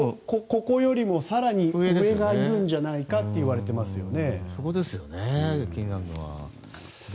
更に上がいるんじゃないかと言われていますよね。